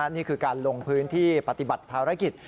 นี่คือการลงพื้นที่ปฏิบัติภารกิจ